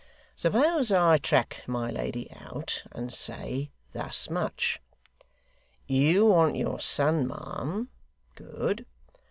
Suppose I track my lady out, and say thus much: "You want your son, ma'am good.